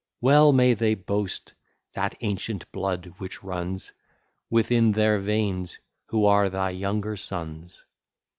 Well may they boast that ancient blood which runs Within their veins, who are thy younger sons.